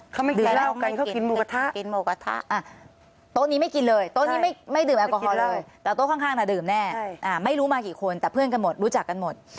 เขาไม่กินเหล้ากันเขากินโมกระทะ